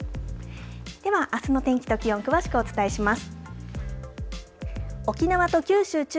では、あすの天気と気温詳しくお伝えします。